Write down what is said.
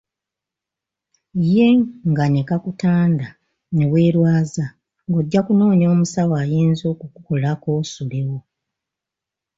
Ye nga ne kakutanda ne weerwaza, ng'ojja kunoonya omusawo ayinza okukukolako osulewo.